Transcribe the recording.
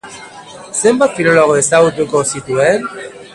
Zenbat filologo ezagutuko zituen?